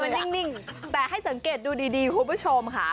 มันนิ่งแต่ให้สังเกตดูดีคุณผู้ชมค่ะ